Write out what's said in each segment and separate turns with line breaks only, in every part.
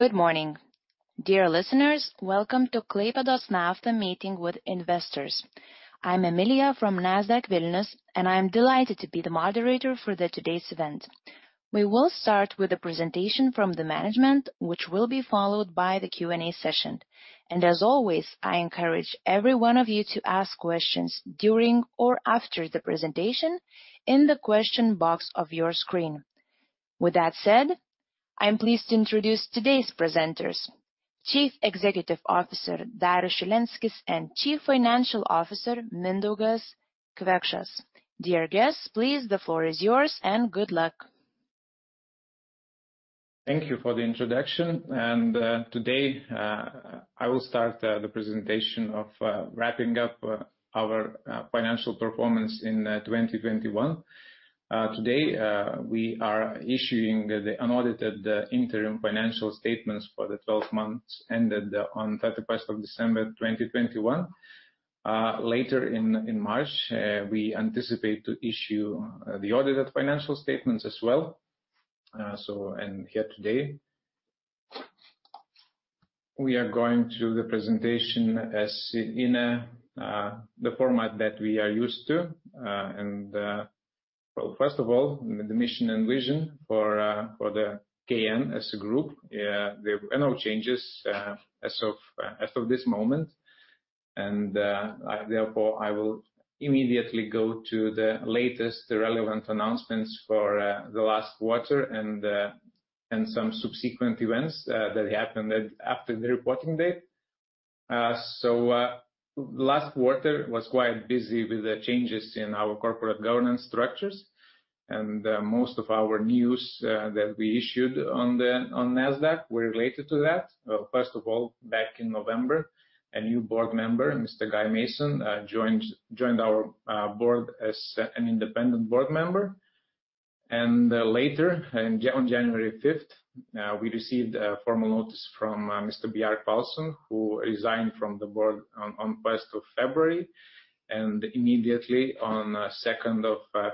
Good morning. Dear listeners, welcome to Klaipėdos Nafta meeting with investors. I'm Emilia from Nasdaq Vilnius, and I'm delighted to be the moderator for today's event. We will start with the presentation from the management, which will be followed by the Q&A session. As always, I encourage every one of you to ask questions during or after the presentation in the question box of your screen. With that said, I'm pleased to introduce today's presenters, Chief Executive Officer, Darius Šilenskis, and Chief Financial Officer, Mindaugas Kvekšas. Dear guests, please, the floor is yours, and good luck.
Thank you for the introduction. Today, I will start the presentation of wrapping up our financial performance in 2021. Today, we are issuing the unaudited interim financial statements for the 12 months ended on 31st of December, 2021. Later in March, we anticipate to issue the audited financial statements as well. Here today, we are going through the presentation as in the format that we are used to. Well, first of all, the mission and vision for the KN Group. There were no changes as of this moment. Therefore, I will immediately go to the latest relevant announcements for the last quarter and some subsequent events that happened after the reporting date. Last quarter was quite busy with the changes in our corporate governance structures. Most of our news that we issued on Nasdaq were related to that. First of all, back in November, a new board member, Mr. Guy Mason, joined our board as an independent board member. Later, on January 5, we received a formal notice from Mr. Bjarke Pålsson, who resigned from the board on February 1. Immediately on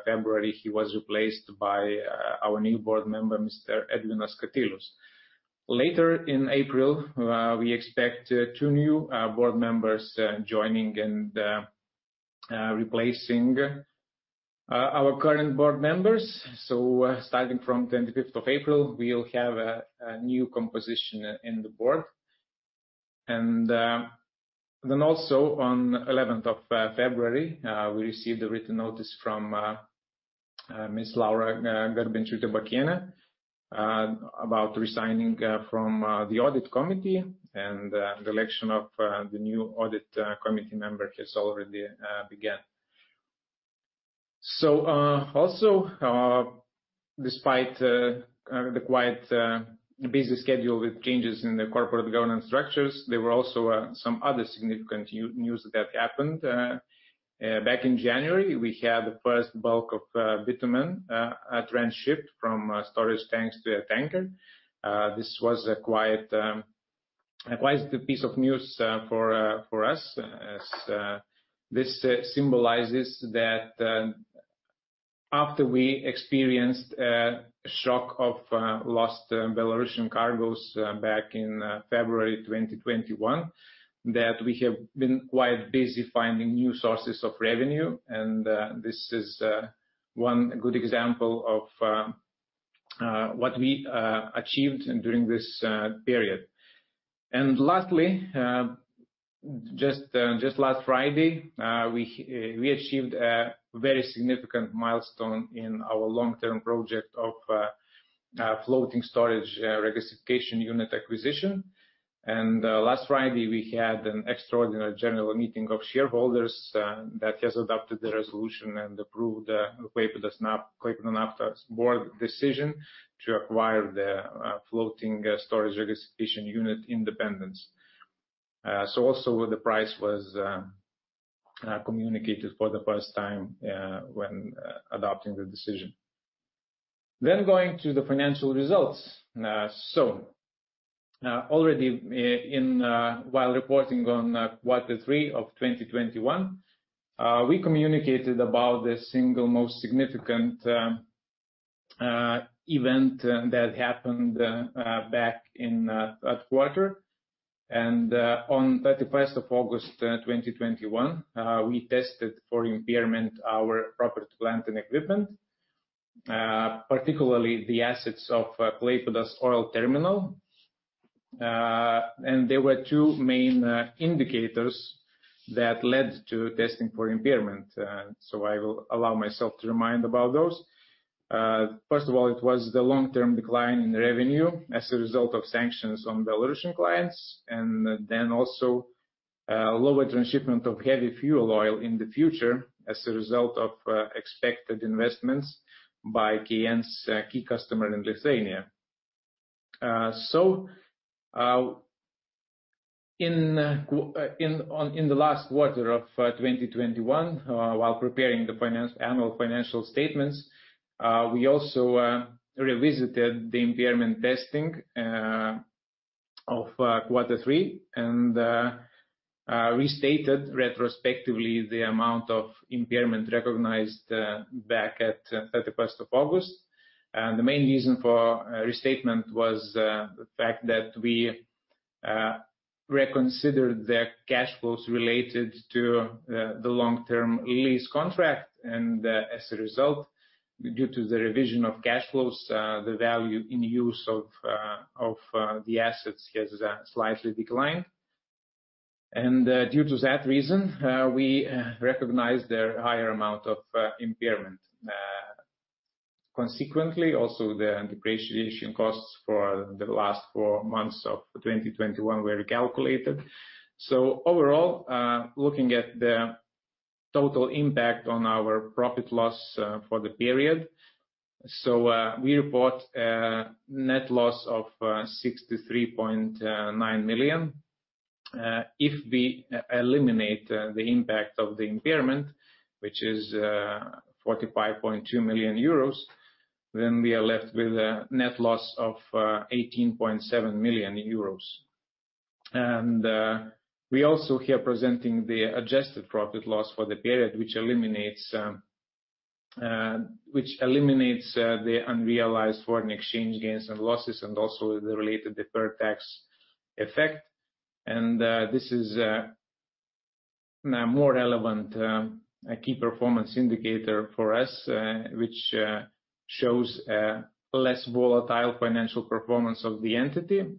February 2, he was replaced by our new board member, Mr. Edvinas Katilius. Later in April, we expect two new board members joining and replacing our current board members. Starting from April 25, we'll have a new composition in the Board. On February 11, we received a written notice from Ms. Laura Garbenčiūtė-Bakienė about resigning from the Audit Committee. The election of the new Audit Committee member has already began. Despite the quite busy schedule with changes in the corporate governance structures, there were also some other significant news that happened. Back in January, we had the first bulk of bitumen transshipped from storage tanks to a tanker. This was a quite piece of news for us as this symbolizes that after we experienced shock of lost Belarusian cargos back in February 2021 that we have been quite busy finding new sources of revenue. This is one good example of what we achieved during this period. Lastly, just last Friday, we achieved a very significant milestone in our long-term project of floating storage regasification unit acquisition. Last Friday, we had an extraordinary general meeting of shareholders that has adopted the resolution and approved Klaipėdos Nafta's board decision to acquire the floating storage regasification unit Independence. Also the price was communicated for the first time when adopting the decision. Going to the financial results. Already while reporting on quarter three of 2021, we communicated about the single most significant event that happened back in that quarter. On thirty-first of August 2021, we tested for impairment our property, plant, and equipment, particularly the assets of Klaipėda Oil Terminal. There were two main indicators that led to testing for impairment. I will allow myself to remind about those. First of all, it was the long-term decline in revenue as a result of sanctions on Belarusian clients, and then also lower transshipment of heavy fuel oil in the future as a result of expected investments by KN's key customer in Lithuania. In the last quarter of 2021, while preparing the annual financial statements, we also revisited the impairment testing of quarter three and restated retrospectively the amount of impairment recognized back at August 31. The main reason for restatement was the fact that we reconsidered the cash flows related to the long-term lease contract. As a result, due to the revision of cash flows, the value in use of the assets has slightly declined. Due to that reason, we recognized a higher amount of impairment. Consequently, also the depreciation costs for the last four months of 2021 were recalculated. Overall, looking at the total impact on our profit or loss for the period, we report a net loss of 63.9 million. If we eliminate the impact of the impairment, which is 45.2 million euros, then we are left with a net loss of 18.7 million euros. We are also here presenting the adjusted profit or loss for the period, which eliminates the unrealized foreign exchange gains and losses and also the related deferred tax effect. This is a more relevant key performance indicator for us, which shows less volatile financial performance of the entity.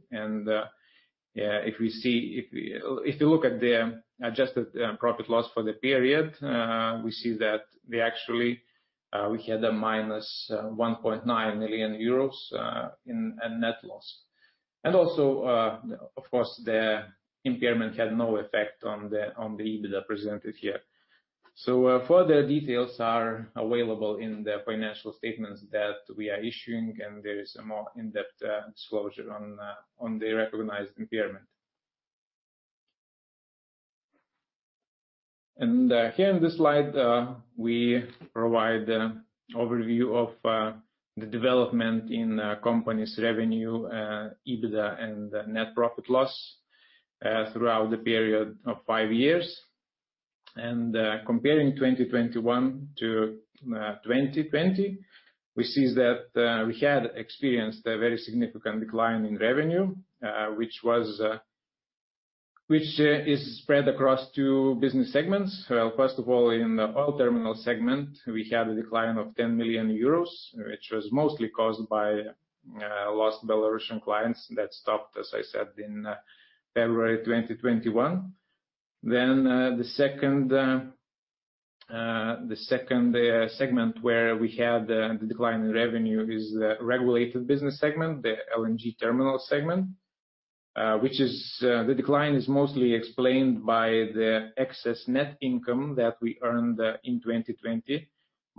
If we look at the adjusted profit or loss for the period, we see that we actually had a a net loss of 1.9 million euros in net loss. Also, of course, the impairment had no effect on the EBITDA presented here. Further details are available in the financial statements that we are issuing, and there is a more in-depth disclosure on the recognized impairment. Here in this slide, we provide an overview of the development in the company's revenue, EBITDA, and net loss throughout the period of five years. Comparing 2021 to 2020, we see that we had experienced a very significant decline in revenue, which is spread across two business segments. Well, first of all, in the oil terminal segment, we had a decline of 10 million euros, which was mostly caused by lost Belarusian clients that stopped, as I said, in February 2021. The second segment where we had the decline in revenue is the regulated business segment, the LNG terminal segment. Which is the decline is mostly explained by the excess net income that we earned in 2020,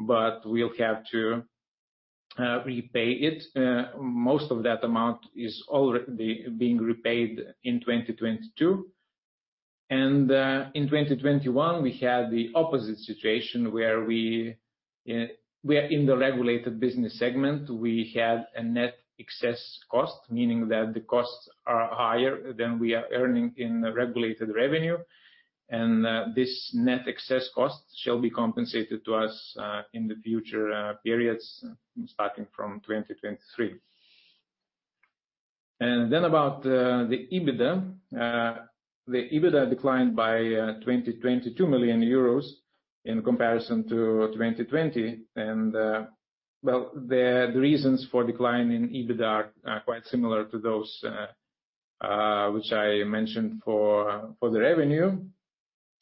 but we'll have to repay it. Most of that amount is already being repaid in 2022. In 2021, we had the opposite situation, where in the regulated business segment, we had a net excess cost, meaning that the costs are higher than we are earning in regulated revenue. This net excess cost shall be compensated to us in the future periods, starting from 2023. Then about the EBITDA. The EBITDA declined by 22 million euros in comparison to 2020. Well, the reasons for decline in EBITDA are quite similar to those which I mentioned for the revenue.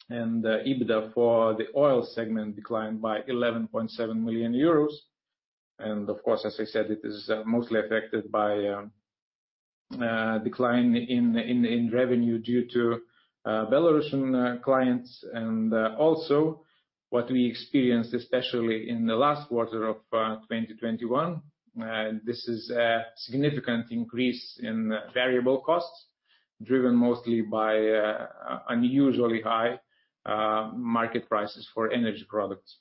The EBITDA for the Oil Segment declined by 11.7 million euros. Of course, as I said, it is mostly affected by decline in revenue due to Belarusian clients and also what we experienced, especially in the last quarter of 2021. This is a significant increase in variable costs, driven mostly by unusually high market prices for energy products.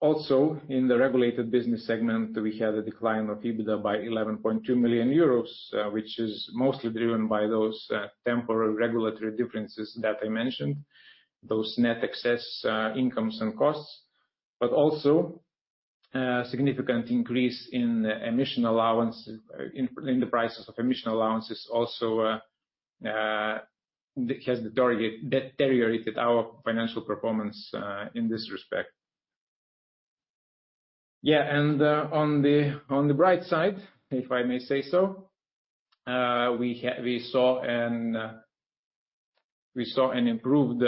Also in the Regulated Business Segment, we had a decline of EBITDA by 11.2 million euros, which is mostly driven by those temporary regulatory differences that I mentioned. Those net excess incomes and costs, but also significant increase in emission allowance in the prices of emission allowances also has deteriorated our financial performance in this respect.
On the bright side, if I may say so, we saw an improved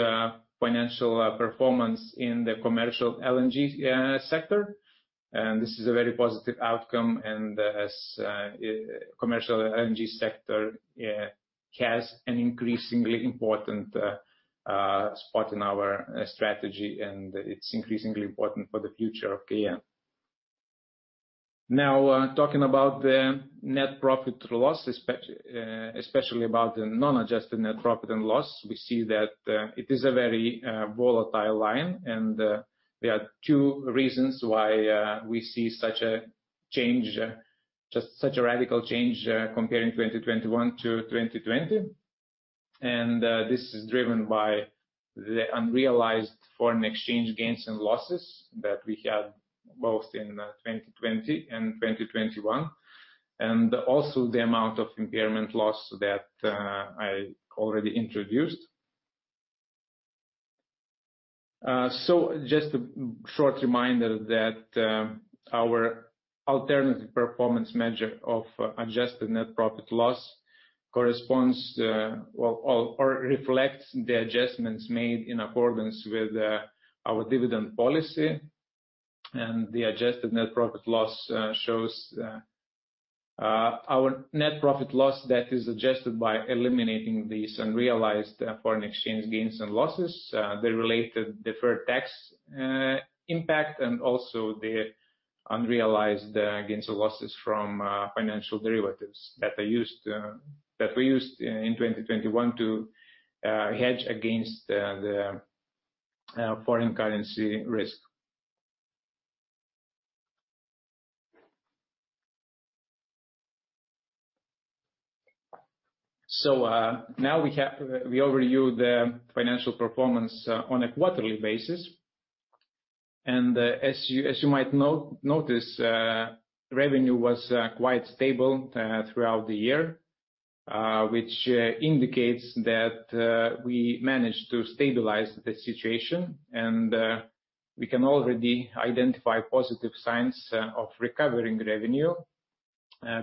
financial performance in the commercial LNG sector. This is a very positive outcome. As the commercial LNG sector has an increasingly important spot in our strategy, and it's increasingly important for the future of KN. Now, talking about the net profit loss, especially about the non-adjusted net profit and loss, we see that it is a very volatile line. There are two reasons why we see such a radical change, comparing 2021 to 2020. This is driven by the unrealized foreign exchange gains and losses that we had both in 2020 and 2021. Also the amount of impairment loss that I already introduced. Just a short reminder that our alternative performance measure of adjusted net profit loss corresponds, well, or reflects the adjustments made in accordance with our dividend policy. The adjusted net profit loss shows our net profit loss that is adjusted by eliminating these unrealized foreign exchange gains and losses, the related deferred tax impact, and also the unrealized gains or losses from financial derivatives that we used in 2021 to hedge against the foreign currency risk. Now we overview the financial performance on a quarterly basis. As you might notice, revenue was quite stable throughout the year, which indicates that we managed to stabilize the situation. We can already identify positive signs of recovering revenue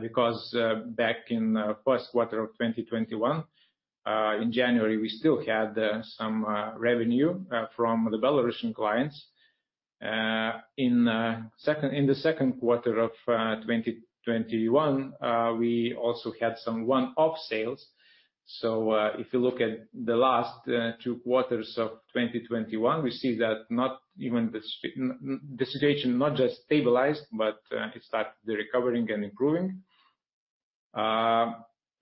because back in the first quarter of 2021, in January, we still had some revenue from the Belarusian clients. In the second quarter of 2021, we also had some one-off sales. If you look at the last two quarters of 2021, we see that the situation not just stabilized, but it started recovering and improving.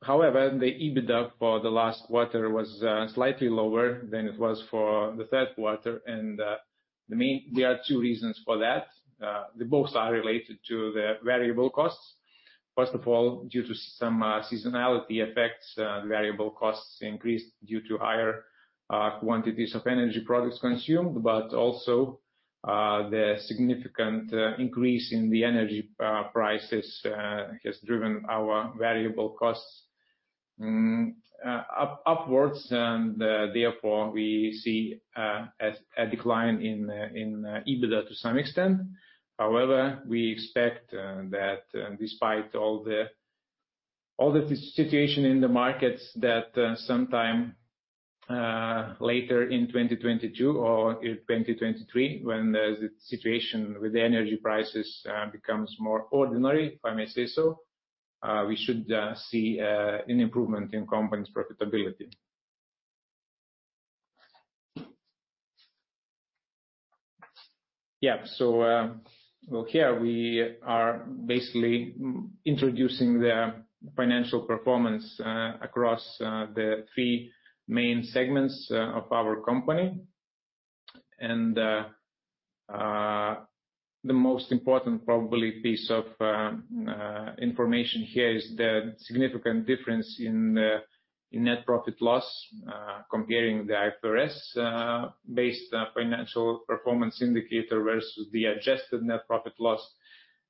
However, the EBITDA for the last quarter was slightly lower than it was for the third quarter, and there are two reasons for that. They both are related to the variable costs. First of all, due to some seasonality effects, variable costs increased due to higher quantities of energy products consumed. The significant increase in the energy prices has driven our variable costs upwards, and therefore we see a decline in EBITDA to some extent. However, we expect that despite all the situation in the markets that sometime later in 2022 or in 2023, when the situation with the energy prices becomes more ordinary, if I may say so, we should see an improvement in company's profitability. Well, here we are basically introducing the financial performance across the three main segments of our company. The most important probably piece of information here is the significant difference in net profit loss comparing the IFRS-based financial performance indicator versus the adjusted net profit loss.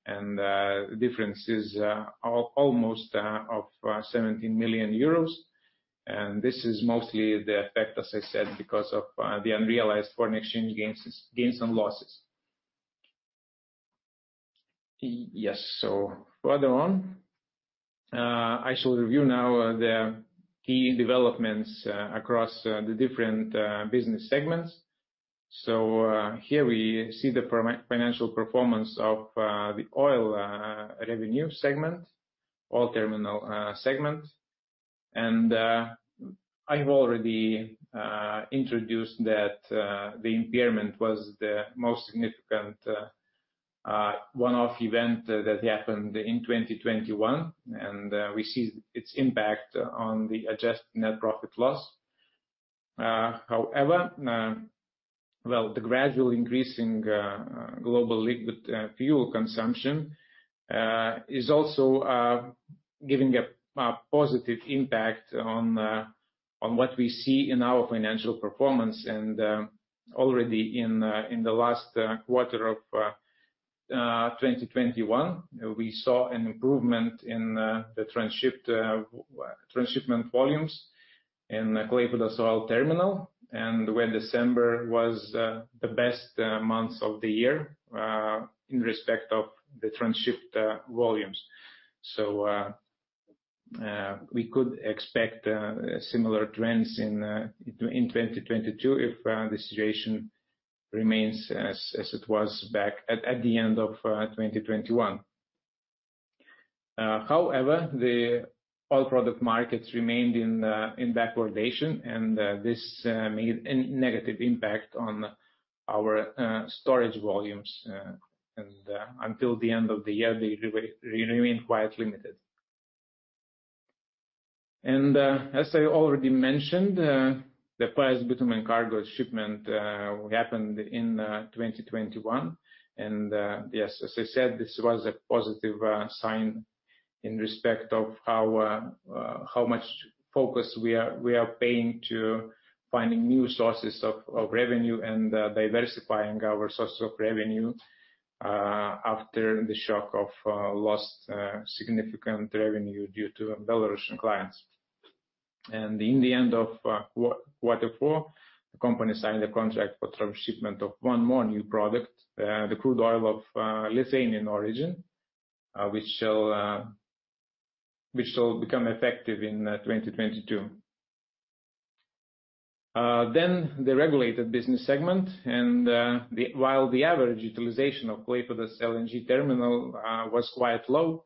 The difference is almost 17 million euros. This is mostly the effect, as I said, because of the unrealized foreign exchange gains and losses. Yes. Further on, I shall review now the key developments across the different business segments. Here we see the pro forma financial performance of the oil revenue segment, oil terminal segment. I've already introduced that the impairment was the most significant one-off event that happened in 2021, and we see its impact on the adjusted net profit loss. However, well, the gradual increase in global liquid fuel consumption is also giving a positive impact on what we see in our financial performance. Already in the last quarter of 2021, we saw an improvement in the transshipment volumes in Klaipėda Oil Terminal, where December was the best month of the year in respect of the transshipped volumes. We could expect similar trends in 2022 if the situation remains as it was back at the end of 2021. However, the oil product markets remained in backwardation, and this made a negative impact on our storage volumes. Until the end of the year, they remain quite limited. As I already mentioned, the first bitumen cargo shipment happened in 2021. Yes, as I said, this was a positive sign in respect of how much focus we are paying to finding new sources of revenue and diversifying our sources of revenue after the shock of lost significant revenue due to Belarusian clients. In the end of quarter four, the company signed a contract for truck shipment of one more new product, the crude oil of Lithuanian origin, which shall become effective in 2022. The regulated business segment. While the average utilization of Klaipėda LNG terminal was quite low,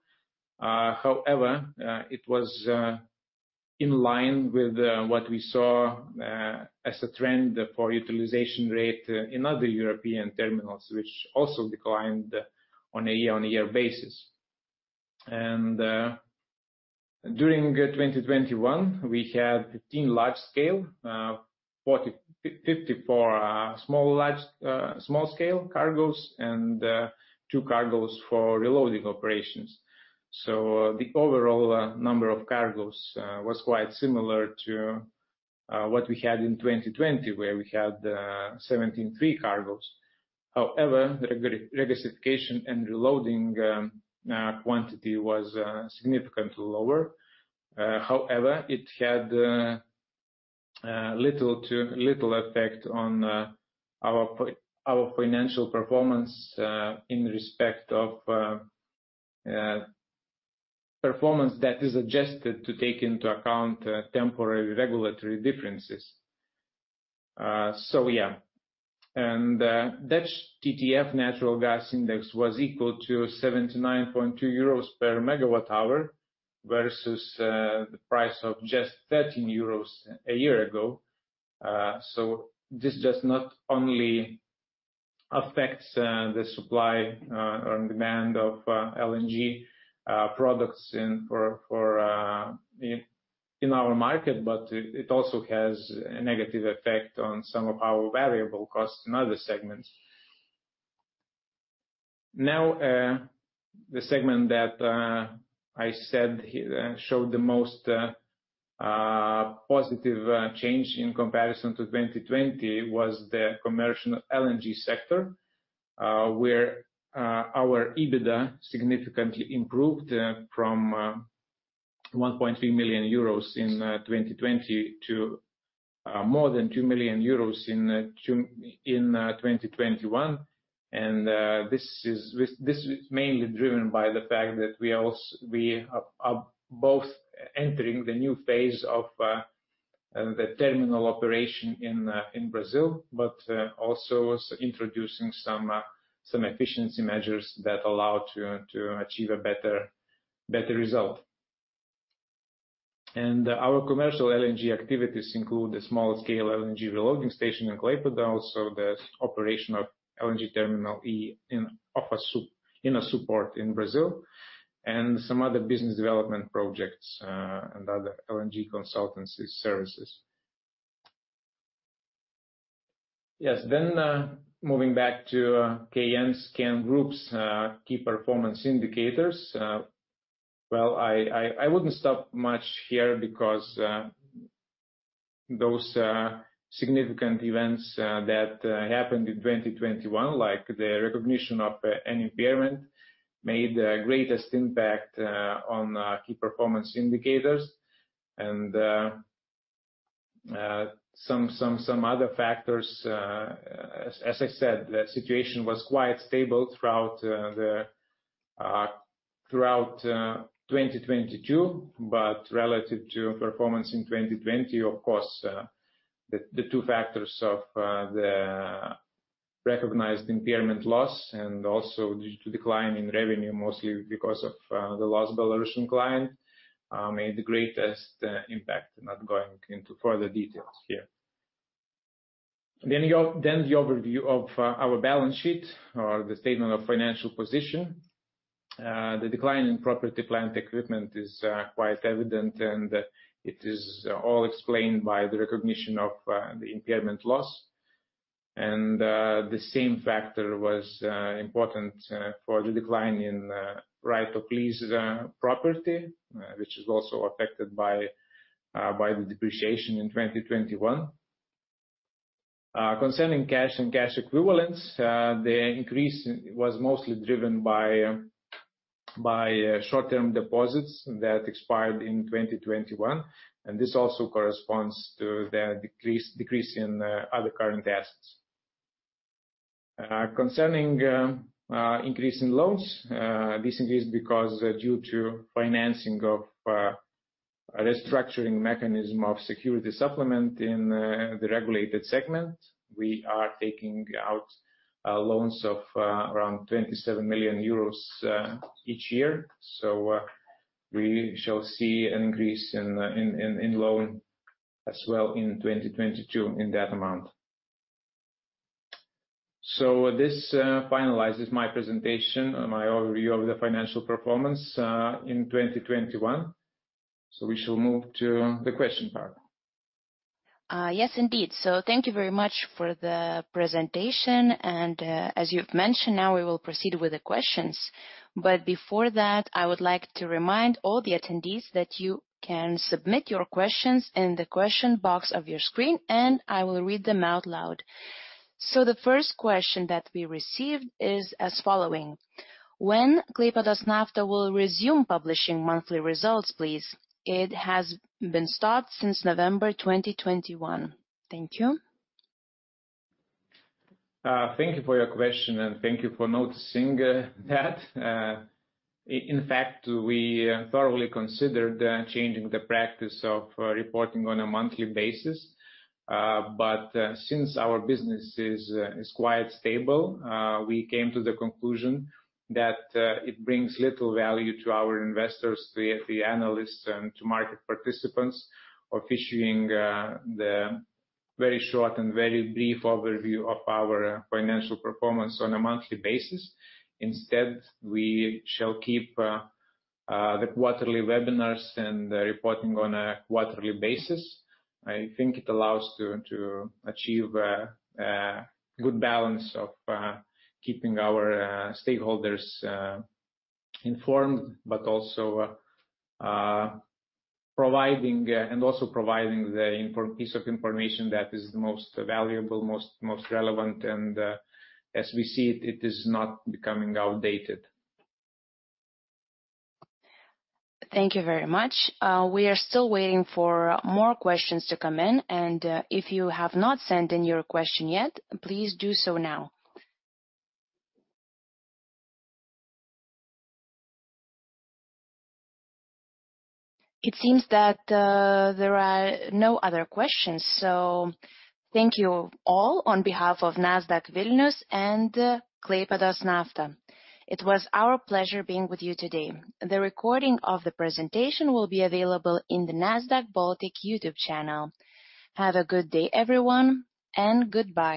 however, it was in line with what we saw as a trend for utilization rate in other European terminals, which also declined on a year-on-year basis. During 2021, we had 15 large scale, 54 small scale cargos and 2 cargos for reloading operations. The overall number of cargos was quite similar to what we had in 2020, where we had 73 cargos. However, regasification and reloading quantity was significantly lower. However, it had little effect on our financial performance in respect of performance that is adjusted to take into account temporary regulatory differences. Dutch TTF natural gas index was equal to 79.2 euros per MWh, versus the price of just 13 euros a year ago. This does not only affects the supply or demand of LNG products in our market, but it also has a negative effect on some of our variable costs in other segments. Now, the segment that I said showed the most positive change in comparison to 2020 was the commercial LNG sector, where our EBITDA significantly improved from 1.3 million euros in 2020 to more than 2 million euros in 2021. This is mainly driven by the fact that we are both entering the new phase of the terminal operation in Brazil, but also introducing some efficiency measures that allow to achieve a better result. Our commercial LNG activities include the small scale LNG reloading station in Klaipėda, also the operation of LNG terminal in Açu Superport in Brazil, and some other business development projects, and other LNG consultancy services. Yes. Moving back to KN Group's key performance indicators. Well, I wouldn't stop much here because those significant events that happened in 2021, like the recognition of an impairment, made the greatest impact on key performance indicators and some other factors. As I said, the situation was quite stable throughout 2022. Relative to performance in 2020, of course, the two factors of the recognized impairment loss and also due to decline in revenue, mostly because of the lost Belarusian client, made the greatest impact. Not going into further details here. The overview of our balance sheet or the statement of financial position. The decline in property, plant and equipment is quite evident, and it is all explained by the recognition of the impairment loss. The same factor was important for the decline in right-of-use property, which is also affected by the depreciation in 2021. Concerning cash and cash equivalents, the increase was mostly driven by short-term deposits that expired in 2021, and this also corresponds to the decrease in other current assets. Concerning increase in loans. This increase because due to financing of a restructuring mechanism of security supplement in the regulated segment. We are taking out loans of around 27 million euros each year. We shall see increase in loan as well in 2022 in that amount. This finalizes my presentation and my overview of the financial performance in 2021. We shall move to the question part.
Yes, indeed. Thank you very much for the presentation and, as you've mentioned, now we will proceed with the questions. Before that, I would like to remind all the attendees that you can submit your questions in the question box of your screen, and I will read them out loud. The first question that we received is as following: When will Klaipėdos Nafta resume publishing monthly results, please? It has been stopped since November 2021. Thank you.
Thank you for your question, and thank you for noticing that. In fact, we thoroughly considered changing the practice of reporting on a monthly basis. But since our business is quite stable, we came to the conclusion that it brings little value to our investors, the analysts and to market participants of issuing the very short and very brief overview of our financial performance on a monthly basis. Instead, we shall keep the quarterly webinars and reporting on a quarterly basis. I think it allows to achieve good balance of keeping our stakeholders informed, but also providing and also providing the important piece of information that is most valuable, most relevant. As we see it is not becoming outdated.
Thank you very much. We are still waiting for more questions to come in, and if you have not sent in your question yet, please do so now. It seems that there are no other questions, so thank you all on behalf of Nasdaq Vilnius and Klaipėdos Nafta. It was our pleasure being with you today. The recording of the presentation will be available in the Nasdaq Baltic YouTube channel. Have a good day, everyone, and goodbye.